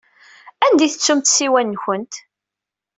Anda i tettumt ssiwan-nkent?